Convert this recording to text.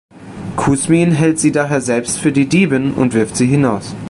Kusmin hält sie daher selbst für die Diebin und wirft sie hinaus.